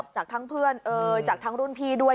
จากทั้งเพื่อนจากทั้งรุ่นพี่ด้วย